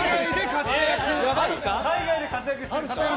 海外で活躍している方が。